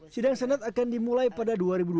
sidang senat akan dimulai pada dua ribu dua puluh